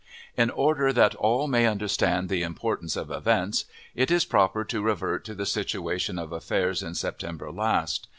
In order that all may understand the importance of events, it is proper to revert to the situation of affairs in September last.